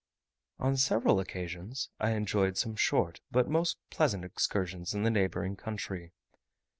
On several occasions I enjoyed some short but most pleasant excursions in the neighbouring country.